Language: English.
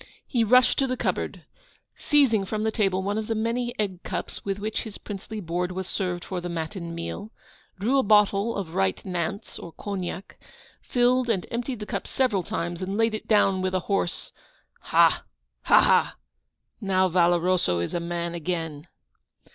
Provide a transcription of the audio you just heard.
He rushed to the cupboard, seizing from the table one of the many egg cups with which his princely board was served for the matin meal, drew out a bottle of right Nantz or Cognac, filled and emptied the cup several times, and laid it down with a hoarse 'Ha, ha, ha! now Valoroso is a man again!